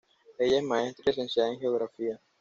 Ella es maestra y licenciada en Geografía.